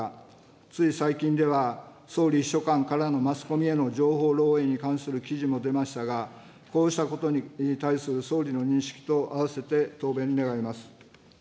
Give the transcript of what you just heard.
つい最近では、総理秘書官からのマスコミへの情報漏えいに関する記事も出ましたが、こうしたことに対する総理の認識とあわせて答弁願います。